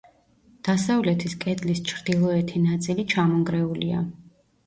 დასავლეთის კედლის ჩრდილოეთი ნაწილი ჩამონგრეულია.